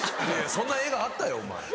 そんな映画あったよ。